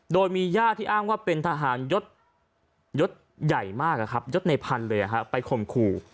โดยมีญาติที่อ้างว่าเป็นทหารยศใหญ่มากยศในพันธุ์เลยไปข่มขู่